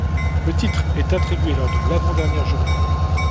Le titre est attribué lors de l'avant-dernière journée.